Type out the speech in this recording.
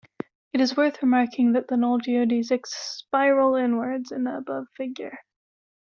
It is worth remarking that the null geodesics "spiral" inwards in the above figure.